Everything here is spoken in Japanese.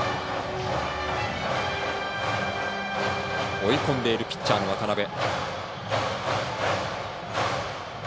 追い込んでいるピッチャーの渡邊。